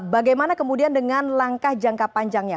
bagaimana kemudian dengan langkah jangka panjangnya